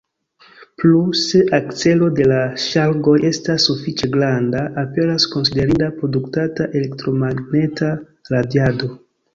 Plu, se akcelo de la ŝargoj estas sufiĉe granda, aperas konsiderinda produktata elektromagneta radiado.